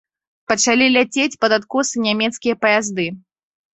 Пачалі ляцець пад адкосы нямецкія паязды.